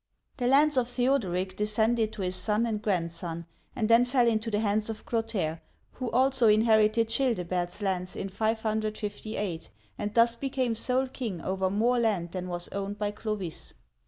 The lands of Theoderic descended to his son and grand son, and then fell into the hands of Clotaire, who also in herited Childebert*s lands in 558, and thus became sole king over more land than was owned by Clovis.